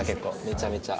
めちゃめちゃ。